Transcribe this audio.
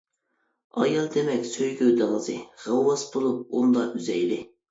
ئايال دېمەك سۆيگۈ دېڭىزى، غەۋۋاس بولۇپ ئۇندا ئۈزەيلى.